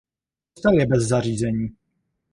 Kostel je bez zařízení.